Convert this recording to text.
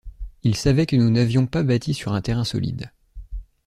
Ils savaient que nous n’avions pas bâti sur un terrain solide.